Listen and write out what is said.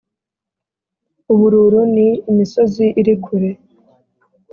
ubururu ni imisozi iri kure